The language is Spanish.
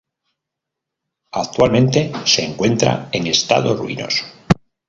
Actualmente se encuentra en estado ruinoso.